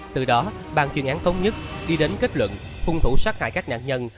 từ đó bàn chuyên án thống nhất đi đến kết luận phung thủ sát hại các nạn nhân